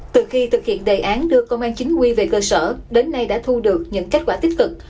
từ khi thực hiện đề án đưa công an chính quy về cơ sở đến nay đã thu được những kết quả tích cực